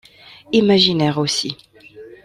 Imaginaires aussi.